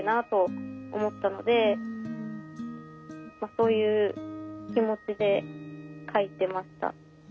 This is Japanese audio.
☎そういう気持ちで書いてました。